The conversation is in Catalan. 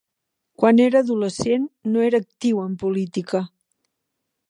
Quan era adolescent, no era actiu en política.